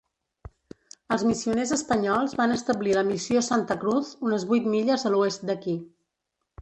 Els missioners espanyols van establir la missió Santa Cruz unes vuit milles a l'oest d'aquí.